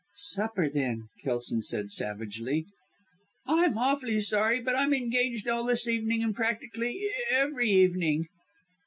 "Supper then!" Kelson said, savagely. "I'm awfully sorry, but I'm engaged all this evening, and practically every evening."